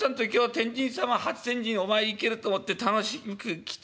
天神様初天神お参り行けると思って楽しみ来た